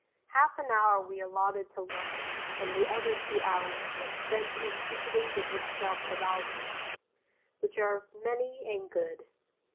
Half an hour we allotted to lunch and the other two hours was spent in visiting the bookshops of Albany, which are many and good.